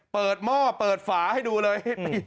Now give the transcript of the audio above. หม้อเปิดฝาให้ดูเลย